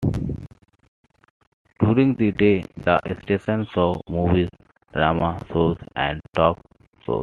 During the day, the station showed movies, drama shows, and talk shows.